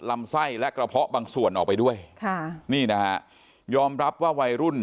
ลำไส้และกระเพาะบางส่วนออกไปด้วยค่ะนี่นะฮะยอมรับว่าวัยรุ่น